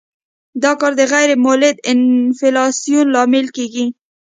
دا کار د غیر مولد انفلاسیون لامل کیږي.